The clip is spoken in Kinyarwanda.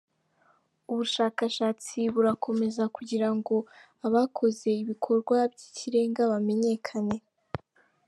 Ubushakashatsi burakomeza kugira ngo abakoze ibikorwa by’ikirenga bamenyekane.